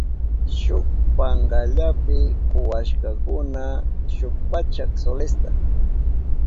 Shuk pankallapi kuwashkakuna shuk pachak solesta.